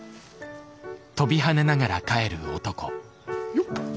よっ。